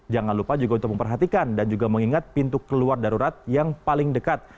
jangan lupa juga untuk memperhatikan dan juga mengingat pintu keluar darurat yang paling dekat